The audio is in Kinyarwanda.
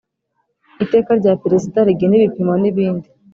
Iteka rya perezida rigena ibipimo n ibindi